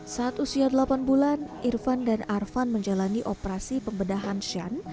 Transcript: saat usia delapan bulan irfan dan arvan menjalani operasi pembedahan shan